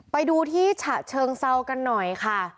ไปดูที่ฉะเชิงเซากันหน่อยค่ะ